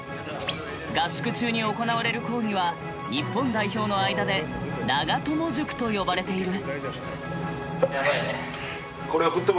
合宿中に行われる講義は日本代表の間で長友塾と呼ばれている。